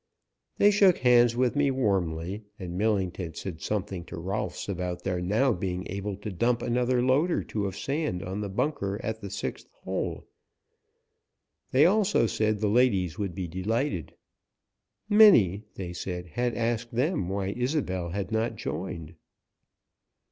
They shook hands with me warmly, and Millington said something to Rolfs about their now being able to dump another load or two of sand on the bunker at the sixth hole. They also said the ladies would be delighted. Many, they said, had asked them why Isobel had not joined.